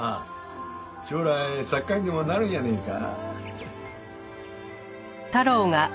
将来作家にでもなるんやねえか。